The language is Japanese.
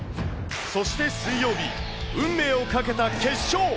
そして水曜日、運命をかけた決勝。